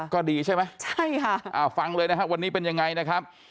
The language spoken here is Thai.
ก็ดีใช่ไหมใช่ค่ะฟังเลยนะครับวันนี้เป็นยังไงนะครับ